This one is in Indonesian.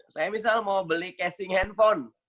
saya misal mau beli casing handphone